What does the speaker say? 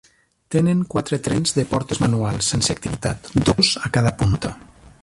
Tenen quatre trens de portes manuals sense activitat, dos a cada punta.